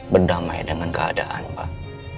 berdamai dengan keadaan pak